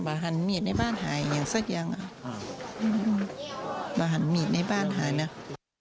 บาหันมีดในบ้านหายอย่างสักอย่างบาหันมีดในบ้านหายแล้ว